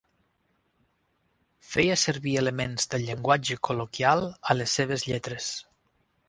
Feia servir elements del llenguatge col·loquial a les seves lletres.